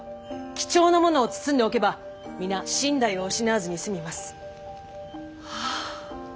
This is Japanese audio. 貴重なものを包んでおけば皆身代を失わずに済みます！